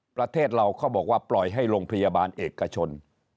ประเทศเราเขาบอกว่าปล่อยให้โรงพยาบาลเอกชน